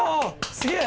すげえ！